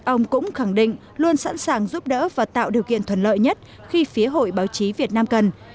ông cũng khẳng định luôn sẵn sàng giúp đỡ và tạo điều kiện thuận lợi nhất khi phía hội báo chí việt nam cần